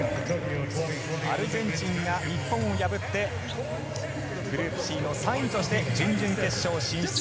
アルゼンチンが日本を破って、グループＣの３位として準々決勝進出。